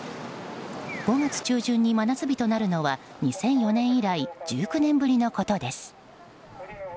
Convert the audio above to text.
５月中旬に真夏日となるのは２００４年以来１９年ぶりのことです。